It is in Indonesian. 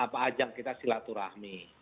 apa aja kita silaturahmi